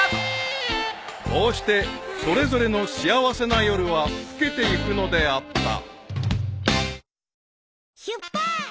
［こうしてそれぞれの幸せな夜は更けていくのであった］